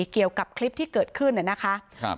เกี่ยวกับคลิปที่เกิดขึ้นนะคะ